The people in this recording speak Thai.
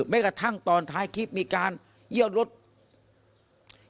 ทีนี้ค่ะทีมข่าวของเราได้คุยกับยูทูบเบอร์ที่บุกไปบ้านหมอปลาค่ะ